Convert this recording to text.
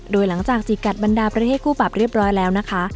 โดยหลังจากจีกัดบรรดาประเทศคู่ปรับเรียบร้อยแล้วนะคะ